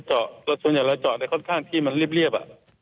คือเราจะเจาะส่วนใหญ่เราเจาะในข้างที่มันเรียบ